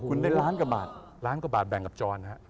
คุณได้ล้านกว่าบาทล้านกว่าบาทแบ่งกับจรฮะ